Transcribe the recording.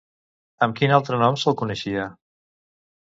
Amb quin altre nom se'l coneixia?